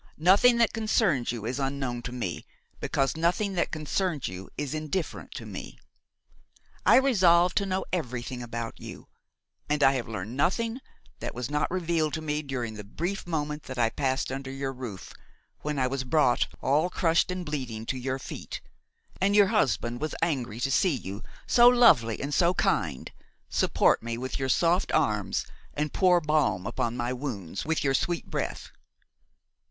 Nothing that concerns you is unknown to me, because nothing that concerns you is indifferent to me. I resolved to know everything about you, and I have learned nothing that was not revealed to me during the brief moment that I passed under your roof, when I was brought, all crushed and bleeding, to your feet, and your husband was angry to see you, so lovely and so kind, support me with your soft arms and pour balm upon my wounds with your sweet breath.